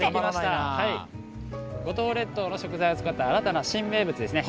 五島列島の食材を使った新たな名物ですね。